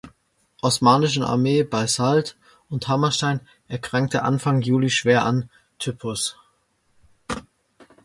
Osmanischen Armee bei Salt und Hammerstein erkrankte Anfang Juli schwer an Typhus.